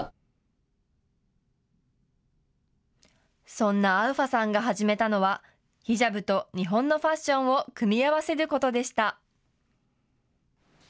そんなアウファさんが始めたのはヒジャブと日本のファッションを組み合わせることでした。